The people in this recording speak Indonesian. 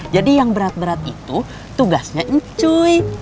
jadi yang berat berat itu tugasnya encuy